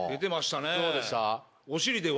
どうでした？